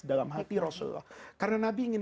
dalam hati rasulullah karena nabi ingin